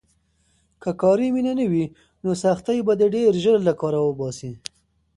که کاري مینه نه وي، نو سختۍ به دې ډېر ژر له کاره وباسي.